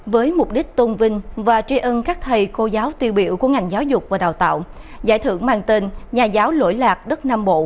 với mục đích tôn vinh và tri ân các thầy cô giáo tiêu biểu của ngành giáo dục và đào tạo giải thưởng mang tên nhà giáo lỗi lạc đất nam bộ